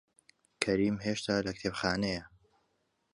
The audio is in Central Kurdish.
کەریم هێشتا لە کتێبخانەیە.